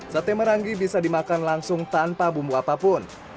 sate meranggi bisa dimakan langsung tanpa bumbu apapun